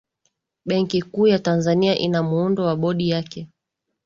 benki kuu ya tanzania ina muundo wa bodi yake